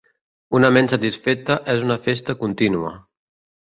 Una ment satisfeta és una festa contínua.